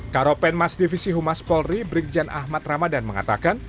karopen mas divisi humas polri brigjen ahmad ramadan mengatakan